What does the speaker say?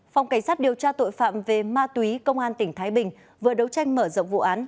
phòng cảnh sát điều tra tội phạm về ma túy công an tỉnh thái bình vừa đấu tranh mở rộng vụ án